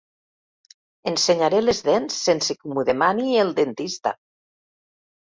Ensenyaré les dents sense que m'ho demani el dentista.